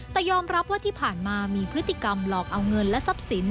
แต่ยอมรับว่าที่ผ่านมามีพฤติกรรมหลอกเอาเงินและทรัพย์สิน